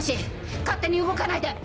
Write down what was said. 勝手に動かないで！